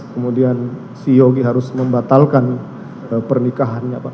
kemudian si yogi harus membatalkan pernikahannya pak